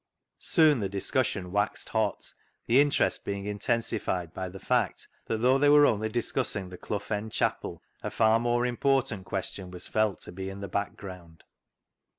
Soon the discussion waxed hot, the interest being intensified by the fact that though they were only discussing the Clough End chapel, a far more important question was felt to be in the background.